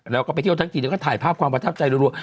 แล้วก็ไปเที่ยวทั้งทีแล้วก็ถ่ายภาพความประทับใจรัว